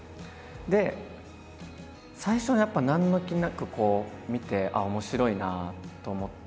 で最初はやっぱ何の気なくこう見て面白いなと思って。